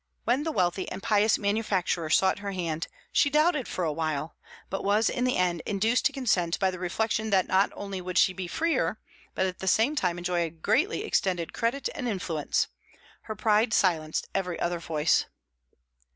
When the wealthy and pious manufacturer sought her hand, she doubted for a while, but was in the end induced to consent by the reflection that not only would she be freer, but at the same time enjoy a greatly extended credit and influence. Her pride silenced every other voice.